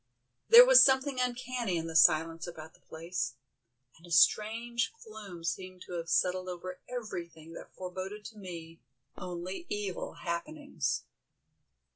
There was something uncanny in the silence about the place, and a strange gloom seemed to have settled over everything that foreboded to me only evil happenings.